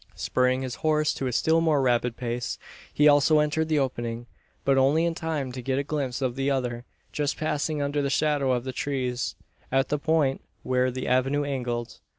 Spurring his horse to a still more rapid pace, he also entered the opening; but only in time to get a glimpse of the other, just passing under the shadow of the trees, at the point where the avenue angled.